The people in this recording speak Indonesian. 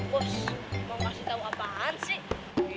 bos mau kasih tau apaan sih